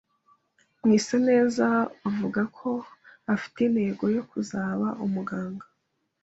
Mwiseneza avuga ko afite intego yo kuzaba umuganga